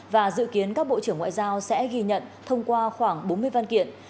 và dự kiến các bộ trưởng ngoại giao sẽ ghi nhận thông qua khoảng bốn mươi văn kiện